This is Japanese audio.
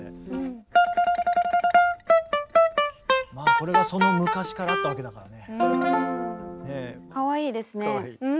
これがその昔からあったわけだからね。